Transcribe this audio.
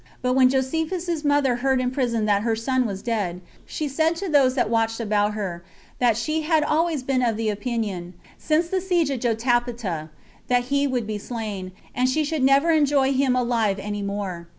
But when Josephus's mother heard in prison that her son was dead, she said to those that watched about her, That she had always been of opinion, since the siege of Jotapata, [that he would be slain,] and she should never enjoy him alive any more.